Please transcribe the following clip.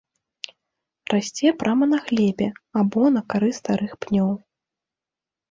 Расце прама на глебе або на кары старых пнёў.